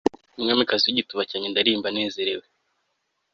umwamikazi wigituba cyanjye, ndaririmba nezerewe